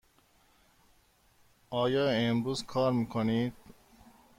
آیا امروز کار می کنید؟